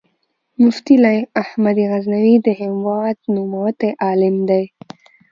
مفتي لائق احمد غزنوي د هېواد نوموتی عالم دی